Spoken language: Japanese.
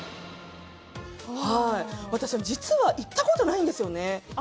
私、実は行ったことないんですよね。